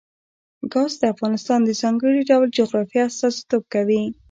ګاز د افغانستان د ځانګړي ډول جغرافیه استازیتوب کوي.